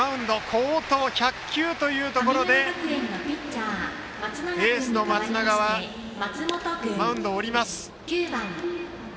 好投、１００球というところでエースの松永がマウンドを降ります。